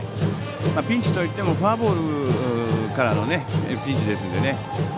ピンチといってもフォアボールからのピンチですのでね。